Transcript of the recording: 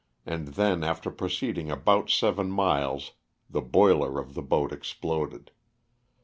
and then after proceeding about seven miles the boiler of the boat exploded.